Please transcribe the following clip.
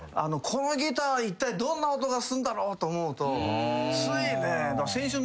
このギターはいったいどんな音がするんだろうと思うとついね。